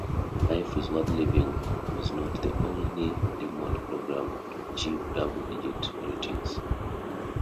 "Life is Worth Living" was not the only DuMont program to achieve double-digit ratings.